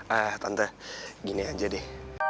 ah tante gini aja deh